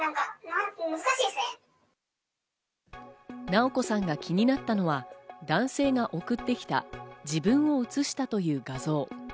なおこさんが気になったのは男性が送ってきた自分を写したという画像。